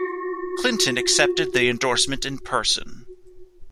Clinton accepted the endorsement in person.